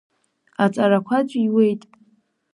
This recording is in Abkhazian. Аҵарақәа ҵәитуеит.